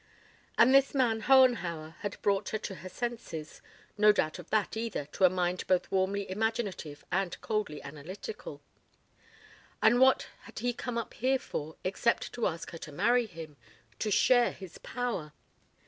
And this man Hohenhauer had brought her to her senses; no doubt of that either to a mind both warmly imaginative and coldly analytical. And what had he come up here for except to ask her to marry him to share his power?